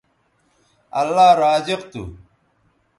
اللہ رازق تھو